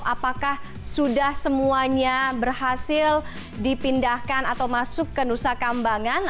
apakah sudah semuanya berhasil dipindahkan atau masuk ke nusa kambangan